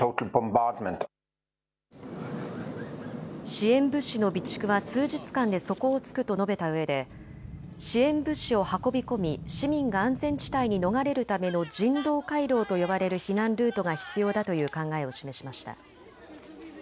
支援物資の備蓄は数日間で底をつくと述べたうえで支援物資を運び込み市民が安全地帯に逃れるための人道回廊と呼ばれる避難ルートが必要だという考えを示しました。